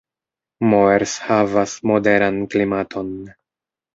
Moers havas moderan klimaton.